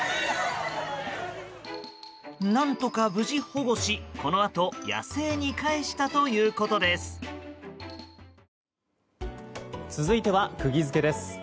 何とか無事保護し、このあと野生に返したということです。